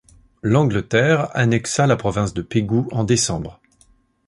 L'Angleterre annexa la province de Pégou en décembre.